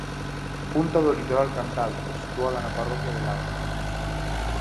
Punta do litoral cantábrico situada na parroquia de Lago.